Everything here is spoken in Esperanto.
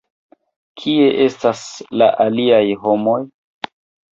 Kie estas la aliaj homoj?